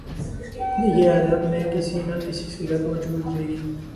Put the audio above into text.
یہ ادب میں کسی نہ کسی صورت موجود رہی